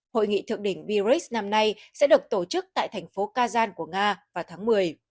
hội nghị thượng đỉnh beiris năm nay sẽ được tổ chức tại thành phố kazan của nga vào tháng một mươi